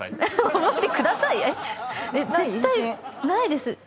ないです。